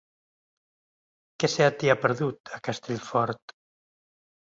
Què se t'hi ha perdut, a Castellfort?